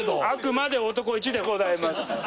あくまで男１でございます。